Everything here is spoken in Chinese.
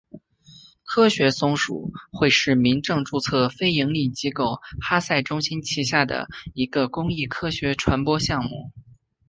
科学松鼠会是民政注册非营利机构哈赛中心旗下的一个公益科学传播项目。